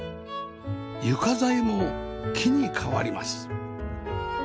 床材も木に変わります